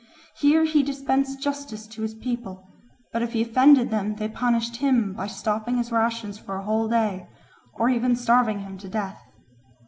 Here he dispensed justice to his people; but if he offended them, they punished him by stopping his rations for a whole day, or even starving him to death.